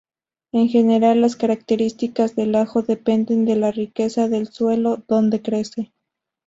En general las características del ajo dependen de la riqueza del suelo donde crece.